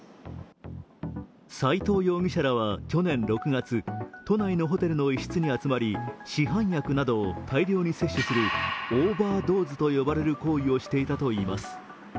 斉藤容疑者らは去年６月都内のホテルの一室に集まり市販薬などを大量に摂取するオーバードーズという行為をしていたといいます。